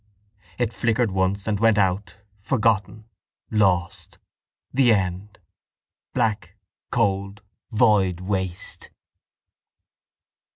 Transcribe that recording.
It flickered once and went out, forgotten, lost. The end: black, cold, void waste.